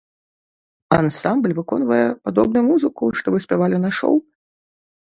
Ансамбль выконвае падобную музыку, што вы спявалі на шоў?